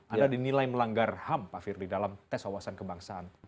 anda dinilai melanggar ham pak firly dalam tes wawasan kebangsaan